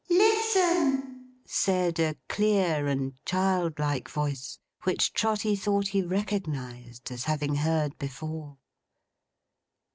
'Listen!' said a clear and childlike voice, which Trotty thought he recognised as having heard before.